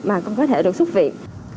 mà con có thể được xuất viện